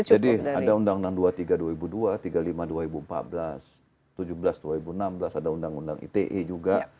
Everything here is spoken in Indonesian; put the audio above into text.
jadi ada undang undang dua puluh tiga dua ribu dua tiga puluh lima dua ribu empat belas tujuh belas dua ribu enam belas ada undang undang ite juga